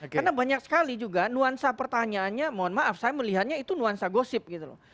karena banyak sekali juga nuansa pertanyaannya mohon maaf saya melihatnya itu nuansa gosip gitu loh